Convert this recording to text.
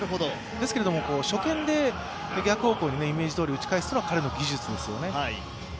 ですけれども、初見で逆方向にイメージ通り打ち返すのは彼の持ち味ですよね。